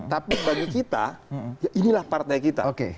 tapi bagi kita inilah partai kita